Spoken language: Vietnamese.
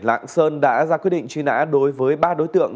lạng sơn đã ra quyết định truy nã đối với ba đối tượng